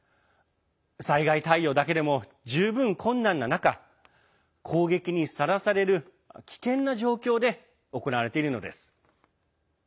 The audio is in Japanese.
災害対応だけでも十分、困難な中攻撃にさらされる危険な状況で行われているのです。